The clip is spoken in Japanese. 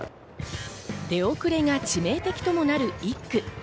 出遅れが致命的ともなる１区。